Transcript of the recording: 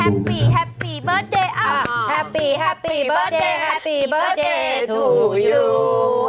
แฮปปี้แฮปปี้เบิร์ตเดย์อ่ะแฮปปี้แฮปปี้เบิร์ตเดย์แฮปปี้เบิร์ตเดย์ทูยู